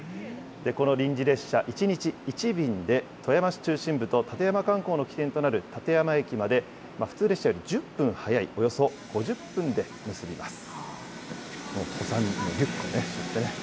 この臨時列車、１日１便で、富山市中心部と立山観光の起点となる立山駅まで普通列車より１０分早い、およそ５０分で結びます。